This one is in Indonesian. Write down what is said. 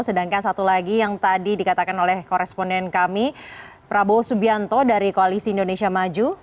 sedangkan satu lagi yang tadi dikatakan oleh koresponden kami prabowo subianto dari koalisi indonesia maju